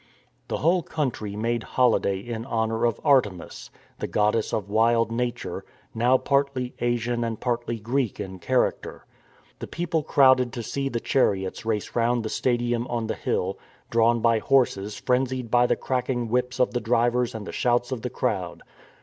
The whole country made holiday in honour of Artemis, the goddess of wild Nature, now partly Asian and partly Greek in character. The people crowded to see the chariots race round the stadium on the hill, drawn by horses frenzied by the cracking whips of the drivers and the shouts of the crowd.